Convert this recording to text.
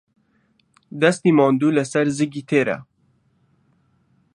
دەستی ماندوو لەسەر زگی تێرە.